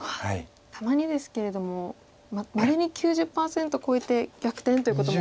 たまにですけれどもまれに９０％超えて逆転ということも。